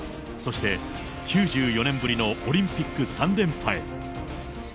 そして９４年ぶりのオリンピック３連覇へ。